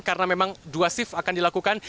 karena memang dua shift akan dilakukan